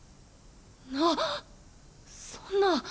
なっ⁉そんな。